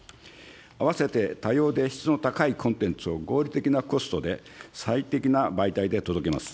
あわせて、多様で質の高いコンテンツを合理的なコストで最適な媒体で届けます。